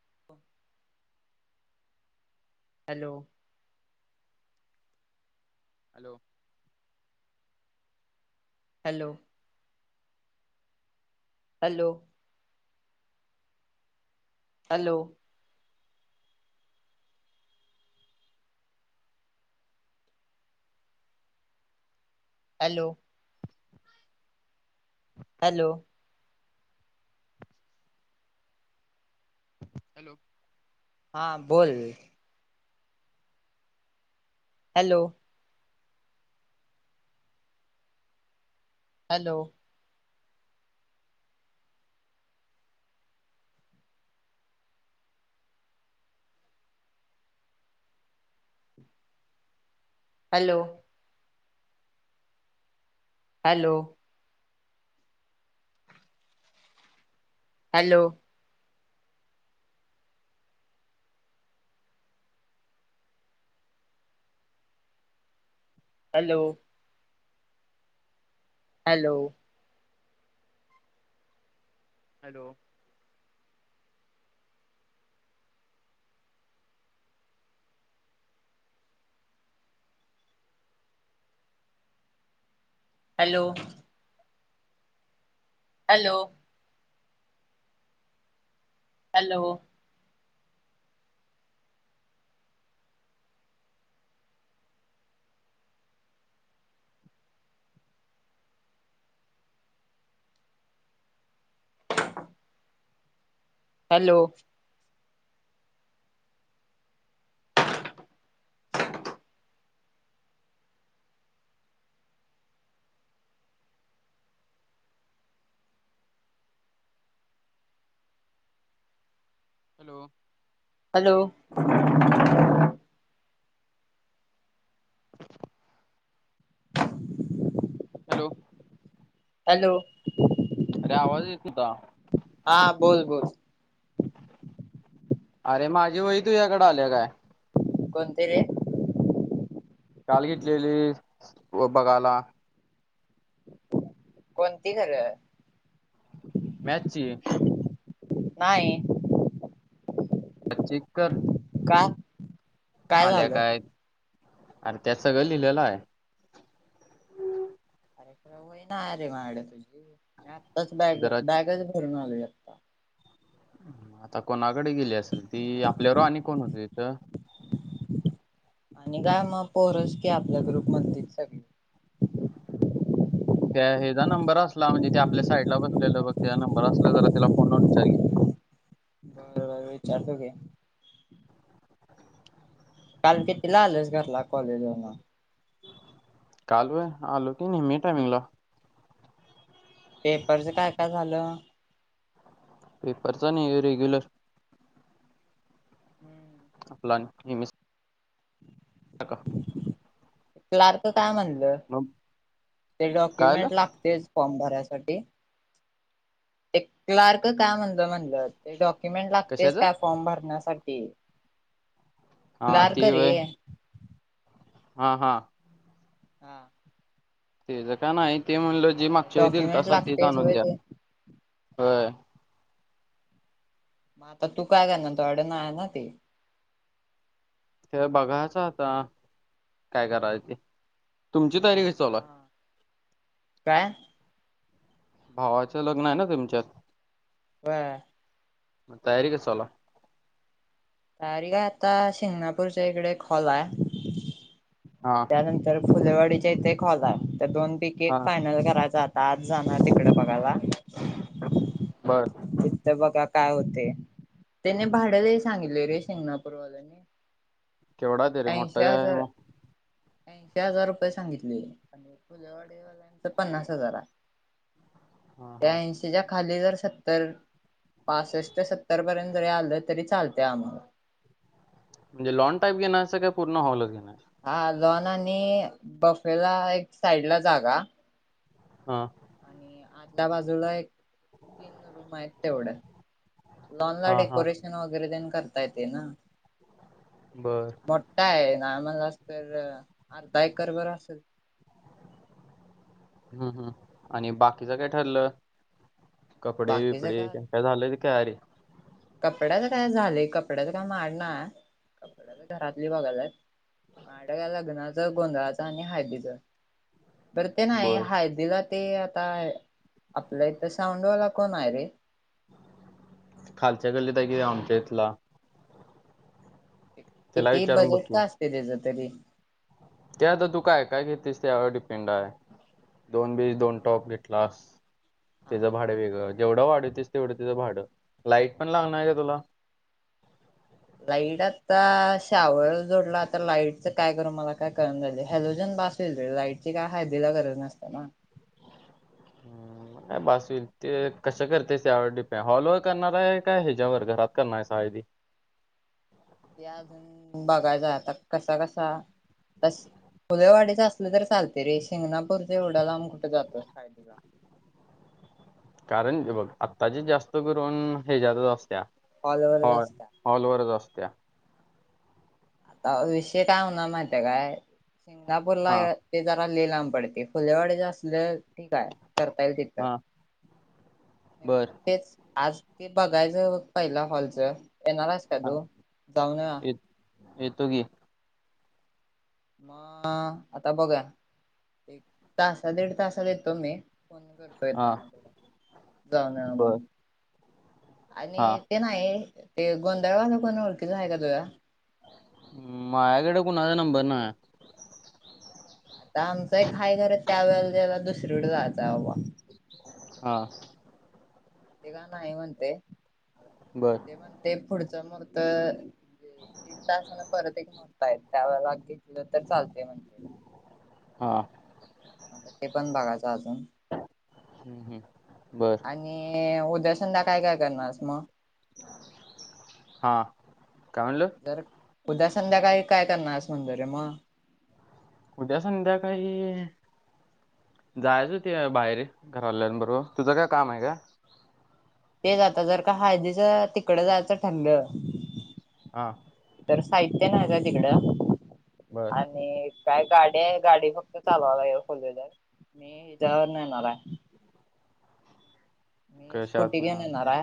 [inaudible] Hello hello hello. Hello hello. Hello. Hello hello हा बोल. Hello hello hello hello hello hello hello hello hello. Hello hello hello [unintelligible] hello hello hello hello अरे आवाज येतोय का? हा बोल बोलोल. अरे माझी वही तू याकडे आले काय? कोणते रे? काल घेतलेली व बघायला कोणती खरं? मॅथ्स ची. नाही. प चक कर. का? आल्या काय अरे त्यात सगळं लिहिलेलं आहे. कारेक्रम होई ना अ रे माड तुझी आत्ताच बॅग जरा बॅगच भरून आलू आता आता कोणाकडे गेली असेल ती आपल्यावर आणि कोण होते तिथं आणि गय मग पोहरस क आपल्या ग्रुप म्हण सगळी ह त्या हचा नंबर असला म्हणजे ते आपल्या साईडला बसलेलं बघ त्या नंबर असला जरा त त्याला फोन लावून विचार घ बरोर विचारतो की काल कितीला आलेस घरला कॉलेजन काल आलो की नेहमी टायमिंगला पेपरच काय काय झालं? पेपरचा नाही रेग्युलर हम्म आपला म म [unintelligible] क्लर्क काय म्हणलं मग ते काय आलं डॉक्युमेंट लागतेच फॉर्म भरायसाठी? ते क्लार्क काय म्हणलं म्हणलं ते डॉक्युमेंट लागतेच कशाचं काय फॉर्म भरण्यासाठी हा क्लार्क ते रे व्हय हा हा. हा. तेज काय नाही ते म्हणलं जी मग मागच्या डॉक्युमेंट दिलतासा तेच लागतेच आणून होय द्या. ते मग आता तू काय करणार डन आहे ना ते. ते बघायचं आता काय करायच ते तुमची तयारी कशी चालू हा आहे. काय. भावाच लग्न आहे ना तुमच्यात. व्हय. मग तयारी कस चालू हाय. तयारी काय आता शिंगणापूर च्या इकडे हॉल आहे. हा. त्यानंतर फुलेवाडीच्या इथे एक हॉल आहे त्या दोन पैकी एक हां फायनल करायचा. आज जाणार तिकडे बघायला. बर. तिथ बघा काय होते त्याने भाड लय सांगितले रे शिंगणापूर वाल्यानी. केवढा आहे तरी मोठा ऐनशी आहे हजार. मग ऐशी हजार रुपये सांगितले आणि फुलेवाडेवालांचा पन्नास हजार आहे. हां ते हां ऐनशी. तेच्या खाली जर सत्तर पासष्ट ते सत्तर पर्यंत जरी आलं तरी चालतय आम्हाला. म्हणज लॉन टाईप घेनार आहेस काय पूर्ण हॉल च घेणार आहेस. हा लॉन आणि बफेला एक साइड ला जागा. हा. आणि त्या बाजूला एक तीन रूम आहेत तेवढ्या. लॉन ला हां हां डेकोरेशन वगैरे तेण करता येते ना. बरं. मोठा आहे नामला तर अर्धा एकर बरं असेल. हम् हम् आणि बाकीचं काय ठरलं कपडे बिपडे काय झालं की तयारी. कपड्याच काय झाले कपड्याच काय माझ्या कड नाहीये कपडे तर घरातली बघायलाय माझ्याकड लग्नाचं गोंधळाच आणि हळदीच. बरं ते नाही बर हळदीला ते आता आपलं इथं साऊंडवाला कोण आहे रे. खालच्या गल्ली त आहे की आमच्या इथला त्याला किती विचारून बघ बजेट की काय असते त्याच तरी ते आता तू काय काय घेततीस त्यावर डिपेंड आहे. दोन बीज दोन टॉप घेतलास. हा तिचं भाडं वेगळं जेवढं वाढवतेस तेवढं तिचं भाडं लाईट पण लागणार आहे का तुला लाईट आता शावर जोडला आता लाईटच काय करू मला काय कळना झाले हॅलोजन बाास. लाईटची काय हाळदीला गरज नसते ना. हम्म. बास होईल ते कश करतेस यावर डिपेंड हॉलवर करणार आहे काय ह्याच्यावर घरात करणार आहे हळदी ते अजून बघायच आता कसा कसा तस फुलेवाडीच असले तर चालते रे शिंगणापूरच एवढा लांब कुठे जातो हळदी ला. कारण बघ आत्ताची जास्त करून ह्याच्यात च असत्या हॉल वर च असतात. हॉल वर असत्या. आता विषय काय होणार माहितीये काय सिंगना पूरला हा ते जरा लइ लांब पडते फुलेवाडे ज असल्या ठीक आहे करता येईल तिथं हा बर तेच आज ते बघायचं पहिला हॉलच येणार. का हा तू जाऊन येऊया य येतो की. म आता बघा. एक तास दीड तासाला येतो मी, फोन कर हा जाऊ बर हा आणि ते नाही [unintelligible] ते गोंधळ वाला कोण ओळखीचा आहे का तुझ्या माझ्याकडे कोणाचा नंबर नाय आता आमचं एक हाय घर, त्या वेळेला त्याला दुसरीकडे जायचं हबा. हा. ते का नाही म्हणते? बरं. म्हण ते पुढच महूर्त, दीड तासन परत एक मूर्त आहे. त्या लागे नंतर चालतेय म्हणते. हा. ते पण बघायचं अजून हम्म, हम्म, बर आणि उद्या संध्याकाळी काय काय करणारस मग. हा, काय म्हणलो. तर उद्या संध्याकाळी काय करणा रेस म्हणलेस रे मग. उद्या संध्याकाळी जायच होते बाहेर घरवल्याबरोबर तुज काय काम आहे का? तेच आता जर, का हळदीच तिकडं जायचं ठरलं हा. तर साहित्य नाही का तिकडं? बर आणि काय गाडी आहे, गाडी फक्त चालवालाय फोर व्हिलर, मी हच्या वरण येणार आहे. मी कशात स्कुटी घेऊन ना येणार य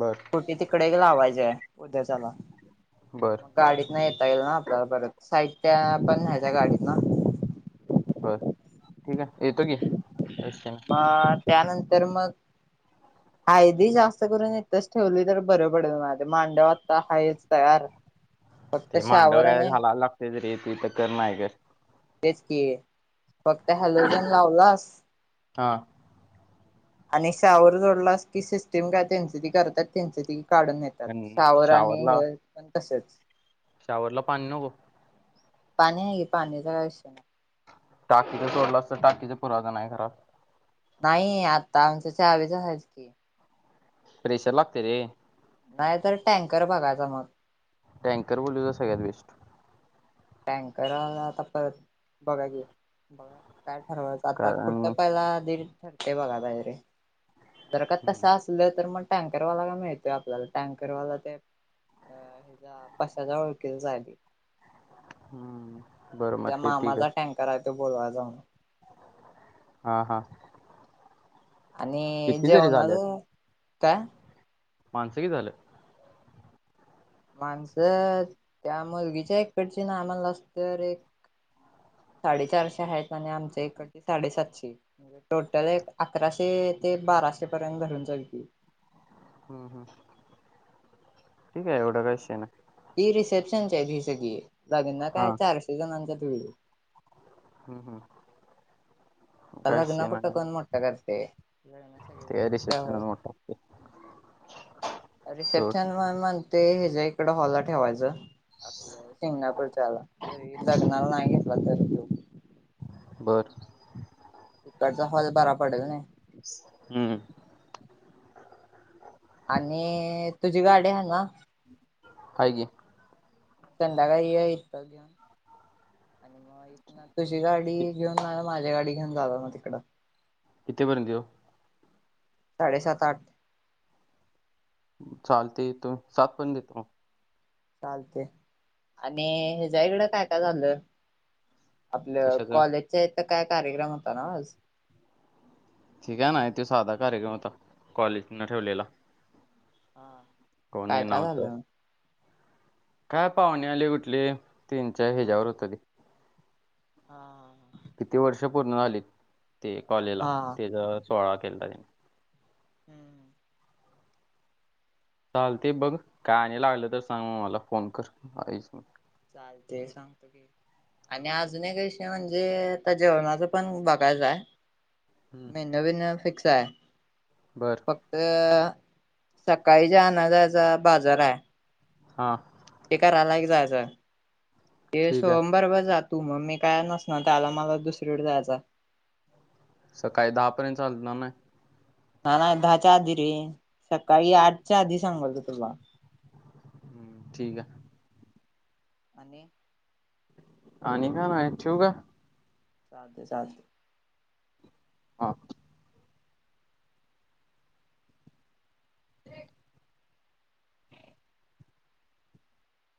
बर कुठे तिकडे एक लावायचेय, उद्याचाला. बर गाडीतन येता येईल ना आपल्याला परत, साहित्या पण न्हायच गाडीतन. बर, ठीक आहे येतो की, एसन अ त्यानंतर मग ह [unintelligible] हळदी जास्त करून इथच ठेवली तर, बरं पडेल माझे मांडव आत्ता हायच तयार. फक्त ते मांड शावर वगैरे आणि घालायला लागते त रे तू तर कर नाही कर [unintelligible] तेच की, फक्त हॅलोजन लावलास हा. आणि शावर जोडला की सिस्टीम काय, त्यांच ती करतात त्यांच त काढून नेतात पण सावर आणि शावरला हे पण तसेच शावरला पाणी नको पाणी आहे की पाणी काय टाकीचं सोडलं असतं टाकीचा पुरावां नाही खराब [unintelligible] नाही आता आमच्याच्यावेज आहेत की [unintelligible] स्प्रेशर लागते रे नाही तर, टँकर बघायचा मग. टँकर बोलू सगळ्यात बेस्ट. टँकर आला आता परत, बघा क बघा काय ठरवायचं आता खुटं कारण पहिला दी ठरते बघा बाहेरे [unintelligible] जर का हम्म. तसं असलं तर, मग टँकरवाला का मिळतोय आपल्याला टँकरवाला ते पाच हजार ओळखी झाली [unintelligible] हम्म. बरं मग तुजा ते ठीक मामाचा टँकर आहे तो बोलवाय जाऊन. हा, हा आणि किती जरी जेवणार झाल्यात का [unintelligible] माणसं की झालं [unintelligible] माणसं त्या मुलगीच्या एककडची ना आम्हाला असत एक साडेचारशे आहेत आणि आमच्या इकड साडेसातशे. म्हणजे टोटल एक अकराशे ते बाराशे पर्यंत घरून चालते. हम हम ठीक आहे एवढं काय विषय नाय. ही रिसेप्शन आहे ही सगळी लागेल ना हा काय चारशे जणांचा भिड. हम हम. लग्न कुठं कोण मोठं करते ते रिसेप्शन त्यावर वर टाकते सोड रिसेप्शन म म्हणते याच्या इकड हॉलला ठेवायचं. आपलं शिंगणापूरच्या आला जरी लग्नाला नाही घेतला तरी तो बर तिकडचा हॉल बरा पडेल नाय. हम आणि तुझी गाडी आहे ना. हाय की. संध्याकाळी ये हितच आणि मग तुझी गाडी कि- घेऊन माझ्या गाडी घेऊन जाऊ म तिकडं. कितीपर्यंत येऊ? साडेसात आठ. चालते तुम् सात पण देतो म चालते आणि हच्या इकडं काय काय झालय आपलं कशाचा कॉलेजच्या इथ काय कार्यक्रम होता ना आज ठीक आहे ना तो साधा कार्यक्रम होता कॉलेज न ठेवलेला हां कोण येणारं होतं काय पाहुणे आले कुठले तीन चार हा ह्याच्या्यावर होत ते हा किती वर्ष पूर्ण झाली ते कॉलेला हा तेचा सोहळा केला त्या हम् चालते बघ काय आणायला लागलं तर सांग मग मला फोन कर आई चालते सांगतो की. आणि अजून एक विषय म्हणजे आता जेवणाचं पण बघायचं हाय. हम्म, मेनू बिनु फिक्स हाय. बरं. फक्त सकाळी जे आणायचा बाजार हाय. आ ते करायला एक जायचं ते ठीक आहे सोंबारवर जात तू मग मी काय नसणार त्याला मला दुसरीकडे जायचा. सकाळी दहापर्यंत चालतन नाय. ना ना दहाच्या आधी रे सकाळी आठच्या आधी सांगल तो तुला. हम ठीक आहे. आणि. आणि काय नाय ठेऊ का? चालतंय चालतंय. हा.